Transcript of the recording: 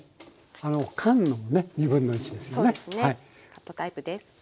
カットタイプです。